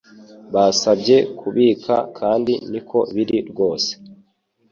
Basabye kubika kandi niko biri rwose